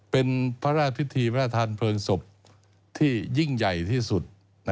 เป็นพระราชพิธีพระราชทานเพลิงศพที่ยิ่งใหญ่ที่สุด